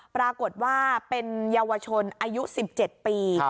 ปรากฏว่าเป็นเยาวชนอายุ๑๗ปี